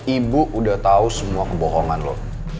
ibu udah tau semua kebohongan lo